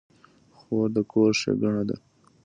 خور د کور ښېګڼه ده.